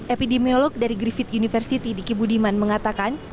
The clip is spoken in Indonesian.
epidemiolog dari griffith university diki budiman mengatakan